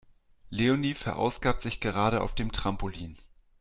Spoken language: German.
Leonie verausgabt sich gerade auf dem Trampolin.